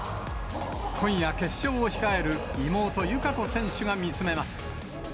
今夜決勝を控える妹、友香子選手が見つめます。